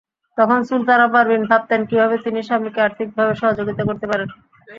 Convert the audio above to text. তখন সুলতানা পারভীন ভাবতেন, কীভাবে তিনি স্বামীকে আর্থিকভাবে সহযোগিতা করতে পারেন।